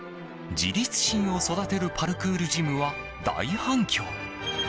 自立心を育てるパルクールジムは大反響。